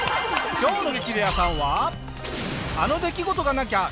今日の『激レアさん』は。